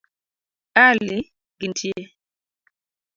Ali, gintie.